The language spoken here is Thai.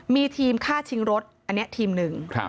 มีทีมฆ่าชิงรถอันนี้ทีมหนึ่ง